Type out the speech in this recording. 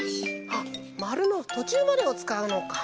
あっまるのとちゅうまでをつかうのか。